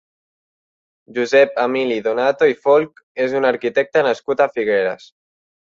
Josep Emili Donato i Folch és un arquitecte nascut a Figueres.